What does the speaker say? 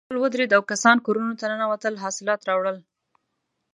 ډول ودرېد او کسان کورونو ته ننوتل حاصلات راوړل.